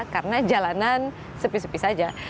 karena jalanan sepisipi saja